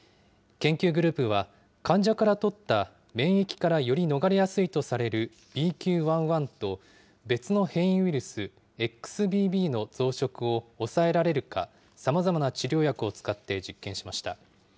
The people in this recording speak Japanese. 研究グループは、患者からとった免疫からより逃れやすいとされるＢＱ．１．１と、別の変異ウイルス、ＸＢＢの増殖を抑えられるか、さまざまな治療薬を使って実験しました。